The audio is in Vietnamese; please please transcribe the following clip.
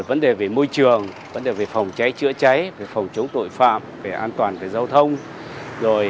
vấn đề về phòng cháy chữa cháy phòng chống tội phạm về an toàn về giao thông